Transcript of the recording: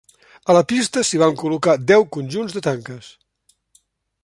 A la pista s'hi van col·locar deu conjunts de tanques.